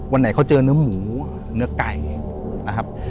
วันไหนเขาเจอเนื้อหมูเนื้อไก่นะครับ